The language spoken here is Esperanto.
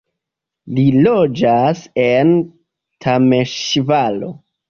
Li loĝas en Temeŝvaro.